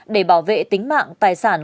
để bảo vệ tính mạng tài sản